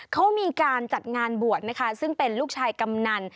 เขามีการจัดงานบวชนะคะซึ่งเป็นลูกชายกำนัน